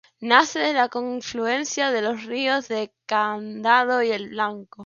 Nace de la confluencia de los ríos del Candado y el Blanco.